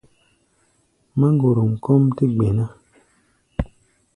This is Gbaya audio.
Máŋgorom kɔ́ʼm tɛ́ gbɛ̧ ná.